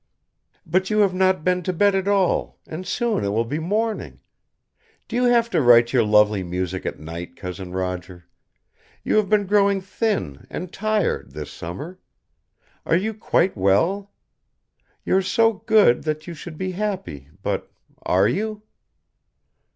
"But you have not been to bed at all, and soon it will be morning! Do you have to write your lovely music at night, Cousin Roger? You have been growing thin and tired, this summer. Are you quite well? You are so good that you should be happy, but are you?"